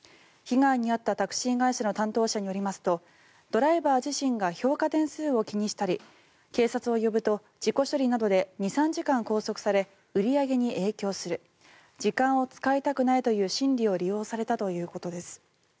被害に遭ったタクシー会社の担当者によりますとドライバー自身が評価点数を気にしたり警察を呼ぶと事故処理などで２３時間拘束され売り上げに影響する時間を使いたくないという心理を利用されたということです。